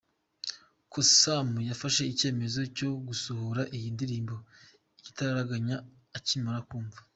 ko Sam yafashe icyemezo cyo gusohora iyi ndirimbo igitaraganya acyimara kumva.